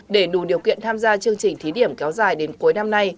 để đủ điều kiện tham gia chương trình thí điểm kéo dài đến cuối năm nay